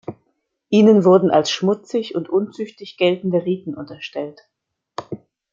Ihnen wurden als schmutzig und unzüchtig geltende Riten unterstellt.